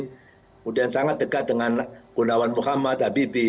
kemudian sangat dekat dengan gunawan muhammad habibie